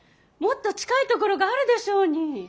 もっと近い所があるでしょうに。